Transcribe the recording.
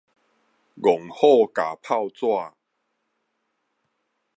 戇虎咬炮紙